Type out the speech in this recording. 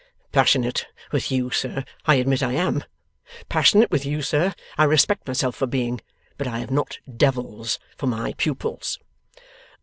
'Passionate with you, sir, I admit I am. Passionate with you, sir, I respect myself for being. But I have not Devils for my pupils.